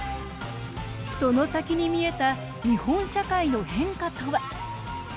その先に見えた日本社会の変化とは。